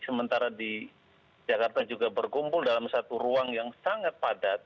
sementara di jakarta juga berkumpul dalam satu ruang yang sangat padat